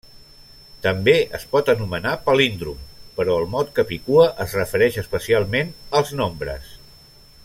També es pot anomenar palíndrom, però el mot capicua es refereix especialment als nombres.